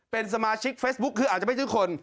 เป็นสมาชิกเฟซบุ๊คคืออาจจะไม่ซื้อคน